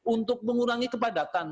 untuk mengurangi kepadatan